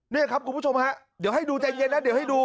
นี่ครับคุณผู้ชมฮะเดี๋ยวให้ดูใจเย็นแล้วเดี๋ยวให้ดู